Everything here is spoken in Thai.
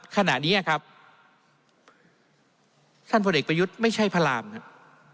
ขณะนี้ครับท่านพลเอกประยุทธ์ไม่ใช่พระรามครับ